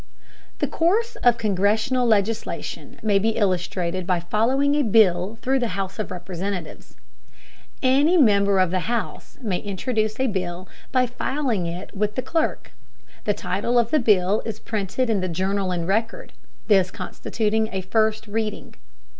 The course of congressional legislation may be illustrated by following a bill through the House of Representatives. Any member of the House may introduce a bill by filing it with the clerk. The title of the bill is printed in the Journal and Record, this constituting a first "reading."